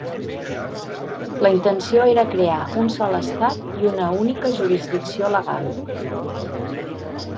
La intenció era crear un sol estat i una única jurisdicció legal.